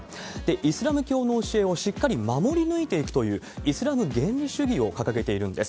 イスラム教の教えをしっかり守り抜いていくというイスラム原理主義を掲げているんです。